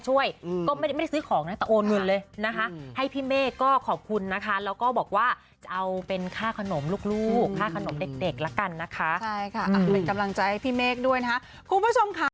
ใช่ค่ะเป็นกำลังใจพี่เมฆด้วยนะครับ